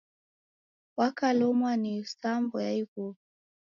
Wakolomwa ni sambo ya ighuwa.